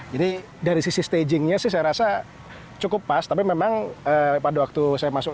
jadi dari sisi stagingnya sih saya rasa cukup pas tapi memang pada waktu saya masuk